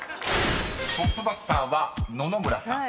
［トップバッターは野々村さん］